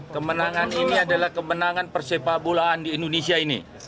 kemenangan ini adalah kemenangan persepabulaan di indonesia ini